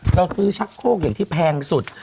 เราซื้อชักโคกอย่างที่แพงสุด